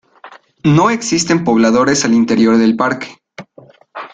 No existen pobladores al interior del parque.